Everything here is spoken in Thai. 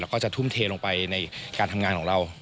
แล้วก็จะทุ่มเทลงไปในการทำงานของเรา